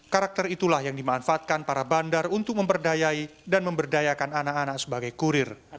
karakter itulah yang dimanfaatkan para bandar untuk memberdayai dan memberdayakan anak anak sebagai kurir